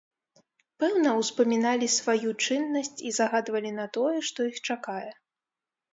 Пэўна, успаміналі сваю чыннасць і загадвалі на тое, што іх чакае.